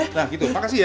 nah gitu makasih ya